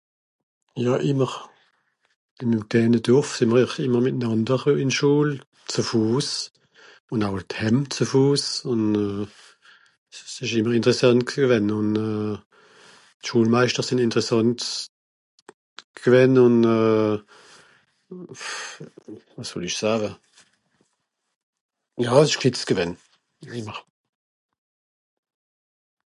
Ja ìmmer. Ìn mim kleine Dorf sìì m'r ìmmer mìtnànder ìn d'Schùl, ze Fùs, ùn (...) dhääm ze Fùs, ùn euh... s'ìsch ìmmer ìnteressànt gewänn ùn euh... d'Schùlmeischter sìnn interessànt gewänn ùn euh... pff... wàs soll ich sawe ? Ja, s'ìsch gfìtzt gewänn. Ìmmer.